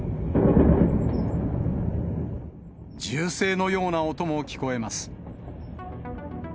銃声のような音も聞こえます。